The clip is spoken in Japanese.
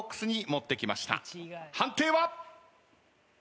判定は？